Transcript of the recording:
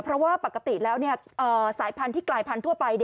เพราะว่าปกติแล้วสายพันธุ์ที่กลายพันธั่วไป